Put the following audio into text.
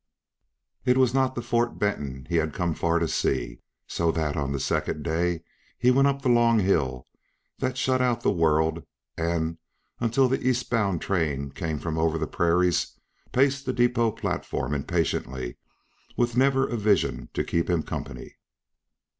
It was not the Fort Benton he had come far to see, so that on the second day he went away up the long hill that shut out the world and, until the east bound train came from over the prairies, paced the depot platform impatiently with never a vision to keep him company.